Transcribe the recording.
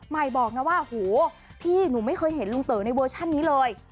บอกนะว่าโหพี่หนูไม่เคยเห็นลุงเต๋อในเวอร์ชันนี้เลย